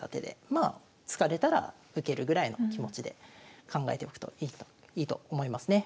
まあ突かれたら受けるぐらいの気持ちで考えておくといいと思いますね。